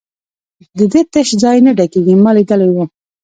د ده تش ځای نه ډکېږي، ما لیدلی وو.